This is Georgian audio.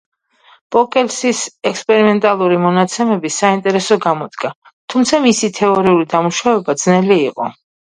პოკელსის ექსპერიმენტალური მონაცემები საინტერესო გამოდგა, თუმცა მისი თეორიული დამუშავება ძნელი იყო.